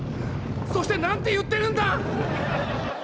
そして何て言ってるんだ！？